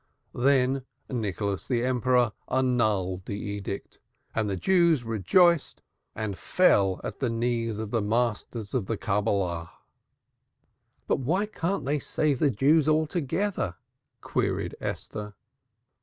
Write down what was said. Then Nicholas the Emperor annulled the edict and the Jews rejoiced and fell at the knees of the Masters of Cabalah." "But why can't they save the Jews altogether?" queried Esther.